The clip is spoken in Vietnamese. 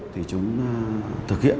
thì chúng thực hiện